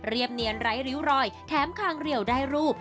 เรียบเนียนไร้ริ้วรอยแถมคางเหลี่ยวได้รูป